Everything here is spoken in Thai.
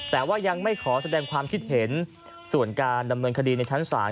แต่ว่ายังไม่ขอแสดงความคิดเห็นส่วนการดำเนินคดีในชั้นศาล